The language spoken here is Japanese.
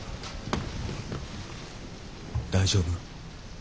大丈夫？